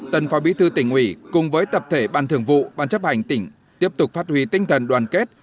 tân phó bí thư tỉnh ủy cùng với tập thể ban thường vụ ban chấp hành tỉnh tiếp tục phát huy tinh thần đoàn kết